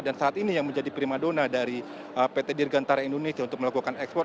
dan saat ini yang menjadi prima dona dari pt dirgantara indonesia untuk melakukan ekspor